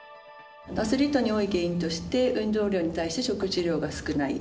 アスリートに多い原因として、運動量に対して食事量が少ない。